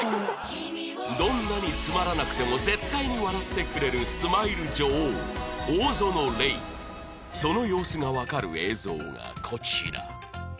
どんなにつまらなくても絶対に笑ってくれるその様子がわかる映像がこちら